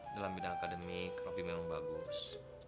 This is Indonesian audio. dalam bidang akademik roby memang bagus